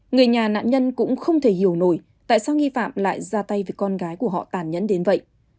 người nhà nạn nhân cũng không thể hiểu nổi tại sao nghi phạm lại ra tay với con gái của họ tàn nhẫn đến vậy